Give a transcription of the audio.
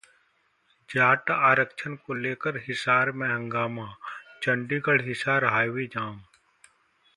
जाट आरक्षण को लेकर हिसार में हंगामा, चंडीगढ़-हिसार हाइवे जाम